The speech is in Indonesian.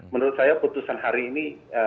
menurut saya putusan hari ini